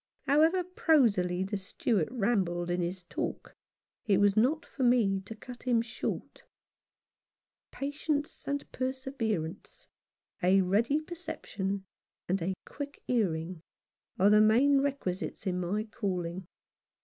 However prosily the steward rambled in his talk, it was not for me to cut him short. Patience and perseverance, a ready per ception, and a quick hearing, are the main requisites Il8 jfolm Faunce 's Experiences. No. 29. in my calling.